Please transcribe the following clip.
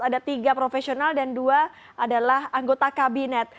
ada tiga profesional dan dua adalah anggota kabinet